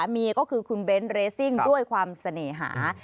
เฉพาะเดียวก็คือคุณเบนท์เรซิ่งด้วยความเสนหา